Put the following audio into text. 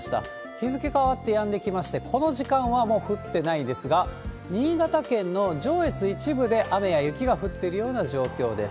日付変わってやんできまして、この時間はもう降ってないですが、新潟県の上越、一部で雨や雪が降ってるような状況です。